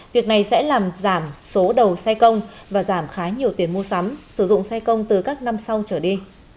việc này sẽ làm giảm số đầu xe công và giảm khá nhiều tiền mua sắm sử dụng xe công từ các năm sau trở đi